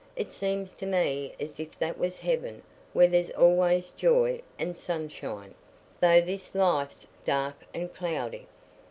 It seems to me as if that was heaven where there's always joy and sunshine, though this life's dark and cloudy."